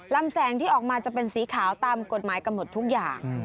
แสงที่ออกมาจะเป็นสีขาวตามกฎหมายกำหนดทุกอย่าง